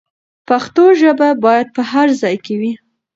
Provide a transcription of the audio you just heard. پښتو ژبه باید په هر ځای کې وي.